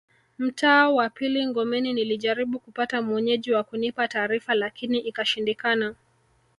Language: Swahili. Mtaa wa pili Ngomeni nilijaribu kupata Mwenyeji wa kunipa taarifa lakini ikashindikana